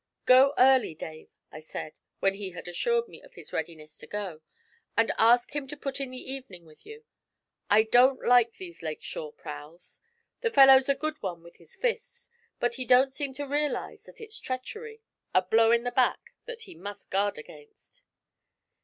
'Go early, Dave,' I said, when he had assured me of his readiness to go, 'and ask him to put in the evening with you. I don't like these lakeshore prowls. The fellow's a good one with his fists, but he don't seem to realize that it's treachery, a blow in the back, that he must guard against.'